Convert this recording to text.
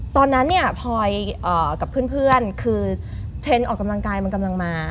ตอนนั้นเนี่ยพลอยกับเพื่อนคือเทรนด์ออกกำลังกายมันกำลังมา